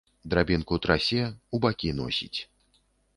Драбінку трасе, у бакі носіць.